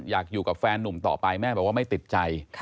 อยากอยู่กับแฟนนุ่มต่อไปแม่บอกว่าไม่ติดใจ